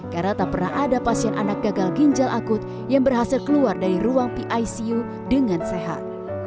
karena tak pernah ada pasien anak gagal ginjal akut yang berhasil keluar dari ruang picu dengan sehat